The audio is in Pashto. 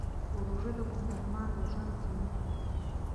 روژه د مسلمان د ژوند زینت دی.